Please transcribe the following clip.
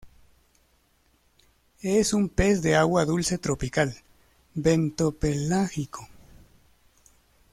Es un pez de agua dulce tropical, bentopelágico.